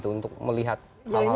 untuk melihat hal hal